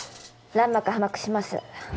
卵膜破膜します。